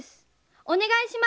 お願いします。